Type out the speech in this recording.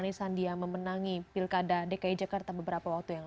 yang memenangi pilkada dki jakarta beberapa waktu